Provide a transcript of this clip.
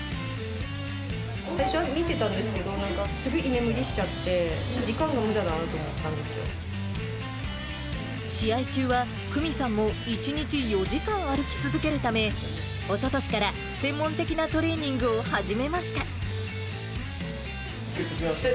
最初は見てたんですけど、すぐ居眠りしちゃって、試合中は、久美さんも１日４時間歩き続けるため、おととしから、専門的なトレーニングを始めました。